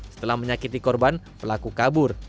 setelah menyakiti korban pelaku kabur